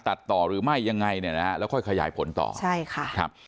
ตัดต่อหรือไม่ยังไงแล้วค่อยขยายผลต่อใช่ค่ะ